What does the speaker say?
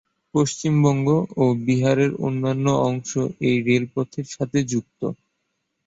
পশ্চিমবঙ্গ ও বিহারের অন্যান্য অংশ এই রেলপথের সাথে যুক্ত।